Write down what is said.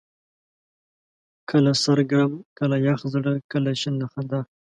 کله سر ګرم ، کله يخ زړه، کله شين له خندا